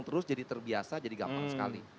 terus jadi terbiasa jadi gampang sekali